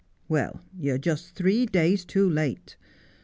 'Well, you're just three days too late.